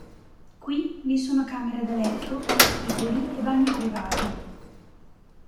Qui vi sono camere da letto, vestiboli e bagni privati.